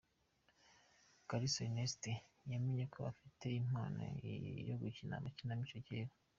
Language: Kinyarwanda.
Kalisa Ernest yamenye ko afite impano yo gukina amakinamico kera.